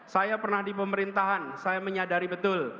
saya pernah di pemerintahan saya menyadari betul